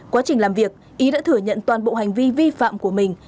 quá trình làm việc ý đã thừa nhận toàn bộ hành vi vi phạm của mình